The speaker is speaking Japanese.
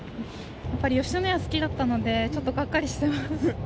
やっぱり吉野家好きだったので、ちょっとがっかりしてます。